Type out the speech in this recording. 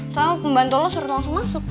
soalnya pembantu lo suruh langsung masuk